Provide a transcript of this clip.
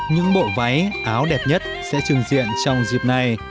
những bộ váy áo đẹp nhất sẽ trừng diện trong dịp này